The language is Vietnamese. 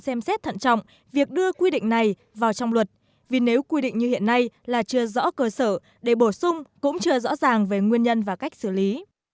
xem xét thận trọng việc đưa quy định này vào trong luật vì nếu quy định như hiện nay là chưa rõ cơ sở để bổ sung cũng chưa rõ ràng về nguyên nhân và cách xử lý